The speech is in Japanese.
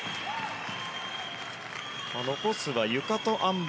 残すはゆかとあん馬。